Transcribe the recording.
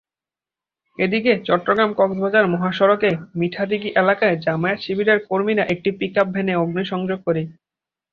এদিকে চট্টগ্রাম-কক্সবাজার মহাসড়কের মিঠাদীঘি এলাকায় জামায়াত-শিবিরের কর্মীরা একটি পিকআপভ্যানে অগ্নিসংযোগ করে।